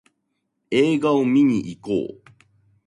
映画見にいこう